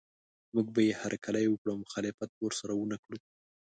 موږ به یې هرکلی وکړو او مخالفت به ورسره ونه کړو.